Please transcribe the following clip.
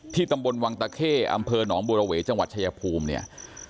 ตำบลวังตะเข้อำเภอหนองบัวระเวจังหวัดชายภูมิเนี่ย